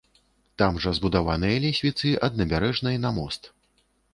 Там жа збудаваныя лесвіцы ад набярэжнай на мост.